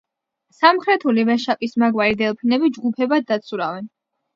სამხრეთული ვეშაპისმაგვარი დელფინები ჯგუფებად დაცურავენ.